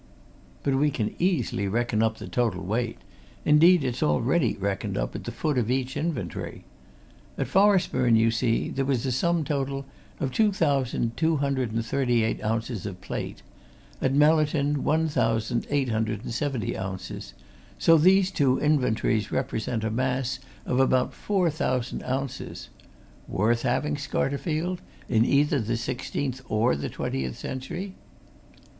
But we can easily reckon up the total weight indeed, it's already reckoned up at the foot of each inventory. At Forestburne, you see, there was a sum total of two thousand two hundred and thirty eight ounces of plate; at Mellerton, one thousand eight hundred and seventy ounces so these two inventories represent a mass of about four thousand ounces. Worth having, Scarterfield! in either the sixteenth or the twentieth century."